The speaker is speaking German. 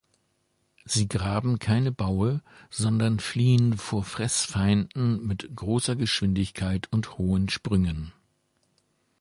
Sie graben keine Baue, sondern fliehen vor Fressfeinden mit großer Geschwindigkeit und hohen Sprüngen.